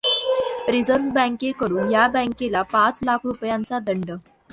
रिझव् र्ह बँकेकडून या बँकेला पाच लाख रुपयांचा दंड.